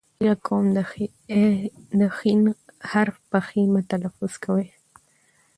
هیله کوم د ښ حرف په خ مه تلفظ کوئ.!